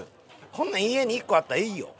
こんなん家に１個あったらいいよ。